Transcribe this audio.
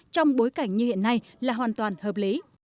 trong bối cảnh như hiện nay là hoàn toàn hợp lý